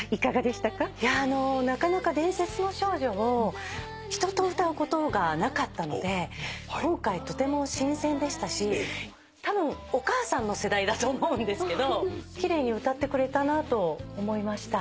なかなか『伝説の少女』を人と歌うことがなかったので今回とても新鮮でしたしたぶんお母さんの世代だと思うんですけど奇麗に歌ってくれたなと思いました。